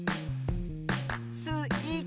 スイカ。